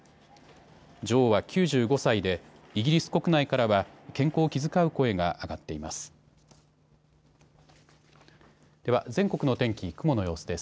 女王は９５歳でイギリス国内からは健康を気遣う声が上がっています。